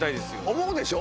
思うでしょ？